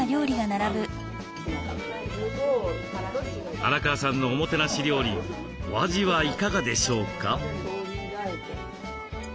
荒川さんのおもてなし料理お味はいかがでしょうか？